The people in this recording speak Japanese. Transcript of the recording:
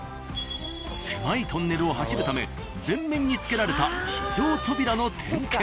狭いトンネルを走るため前面に付けられた非常扉の点検。